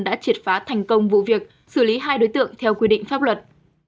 đã triệt phá thành công vụ việc xử lý hai đối tượng theo quy định pháp luật